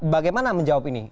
bagaimana menjawab ini